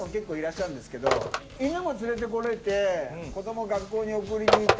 犬も連れて来れて。